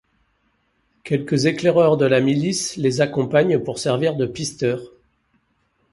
Quelques éclaireurs de la milice les accompagnent pour servir de pisteurs.